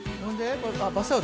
これバスタオル？